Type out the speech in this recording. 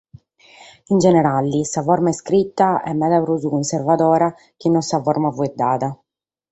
In generale, sa forma iscrita est meda prus cunservadora chi non sa forma faeddada.